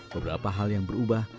beberapa hal yang berubah